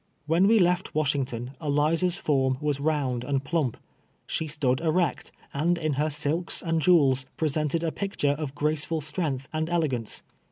When we left AVashington Eliza's form was round and pluni}). She stood erect, and in her silks and jewels, ]n'esented a picture of graceful strength and elegance.